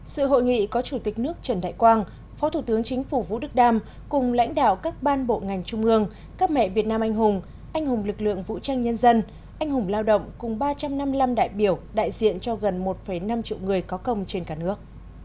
sự hội nghị có chủ tịch nước trần đại quang phó thủ tướng chính phủ vũ đức đam cùng lãnh đạo các ban bộ ngành trung ương các mẹ việt nam anh hùng anh hùng lực lượng vũ trang nhân dân anh hùng lao động cùng ba trăm năm mươi năm đại biểu đại diện cho gần một năm triệu người có công trên cả nước